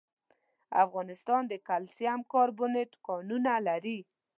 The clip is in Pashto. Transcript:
افغانستان د کلسیم کاربونېټ کانونه لري.